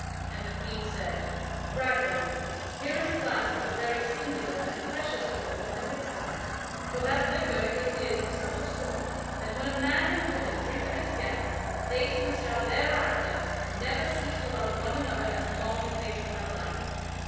And the Queen said: "Bragwaine, here is a flask of a very singular and precious sort of an elixir; for that liquor it is of such a sort that when a man and a woman drink of it together, they two shall thereafter never cease to love one another as long as they shall have life.